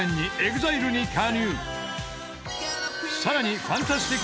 ［さらに］